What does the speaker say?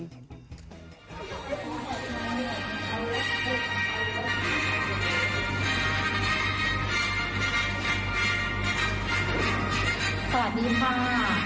สวัสดีค่ะประกาศเจ้านะคะตอนนี้มีทีมประกอบคลายอยู่ด้วย